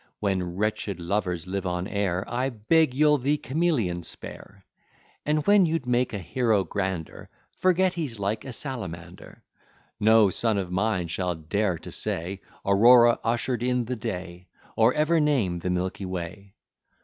When wretched lovers live on air, I beg you'll the chameleon spare; And when you'd make a hero grander, Forget he's like a salamander. No son of mine shall dare to say, Aurora usher'd in the day, Or ever name the milky way.